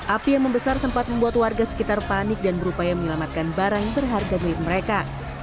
api yang membesar sempat membuat warga sekitar panik dan berupaya menyelamatkan barang berharga milik mereka